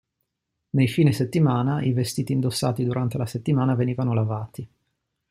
Nei fine settimana, i vestiti indossati durante la settimana venivano lavati.